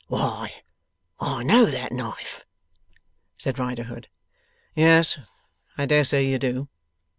'Why, I know that knife!' said Riderhood. 'Yes, I dare say you do.